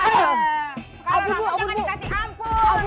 rampok jangan dikasih ampun